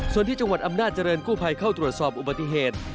ส่วนที่จังหวัดอำนาจริงกู้ภัยเข้าตรวจสอบอุบัติเหตุ